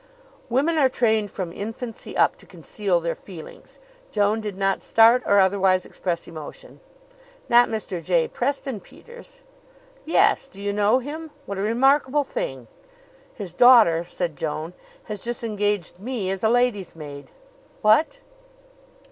Women are trained from infancy up to conceal their feelings. Joan did not start or otherwise express emotion. "Not Mr. J. Preston Peters?" "Yes. Do you know him? What a remarkable thing." "His daughter," said Joan, "has just engaged me as a lady's maid." "What!"